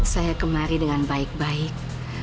saya kemari dengan baik baik